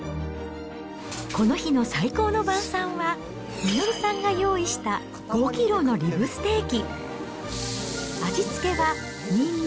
この日の最高の晩餐は、実さんが用意した５キロのリブステーキ。